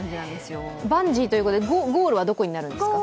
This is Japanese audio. バンジーということで、ゴールはどこになるんですか。